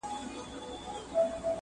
وګړي تښتي له ګاونډیانو!.